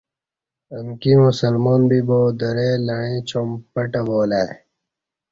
امکی مسلمان بیبا درئ لعیں چام پٹہ والہ ای